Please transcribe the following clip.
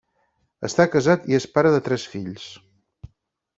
Està casat i es pare de tres fills.